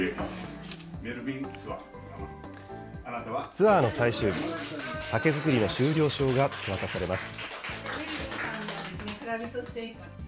ツアーの最終日、酒造りの修了証が手渡されます。